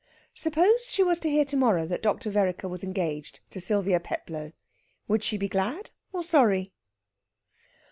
Suppose she was to hear to morrow that Dr. Vereker was engaged to Sylvia Peplow, would she be glad or sorry?